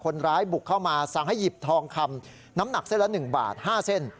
คนร้ายบุกเข้ามาสั่งให้หยิบทองคำน้ำหนักเส้นละ๑บาท๕เส้น